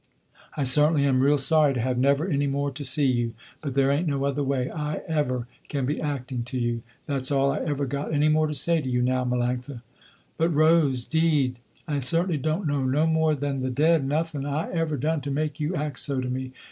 I certainly am real sorry to have never any more to see you, but there ain't no other way, I ever can be acting to you. That's all I ever got any more to say to you now Melanctha." "But Rose, deed; I certainly don't know, no more than the dead, nothing I ever done to make you act so to me.